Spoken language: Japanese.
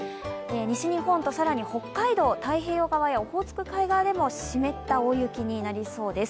西日本と更に北海道、太平洋側やオホーツク海側でも湿った大雪になりそうです。